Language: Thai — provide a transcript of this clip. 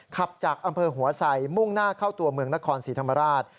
ขับจากอำเภอหัวไสมุ่งหน้าเข้าตัวเมืองนครศรีธรรมราช